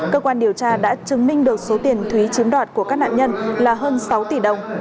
cơ quan điều tra đã chứng minh được số tiền thúy chiếm đoạt của các nạn nhân là hơn sáu tỷ đồng